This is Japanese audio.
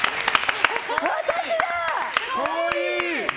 私だ！